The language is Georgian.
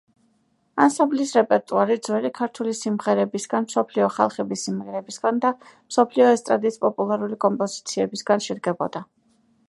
ანსამბლის რეპერტუარი ძველი ქართული სიმღერებისგან, მსოფლიო ხალხების სიმღერებისგან და მსოფლიო ესტრადის პოპულარული კომპოზიციებისგან შედგებოდა.